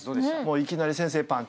いきなり先制パンチ。